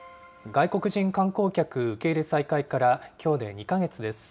外国人観光客受け入れ再開から、きょうで２か月です。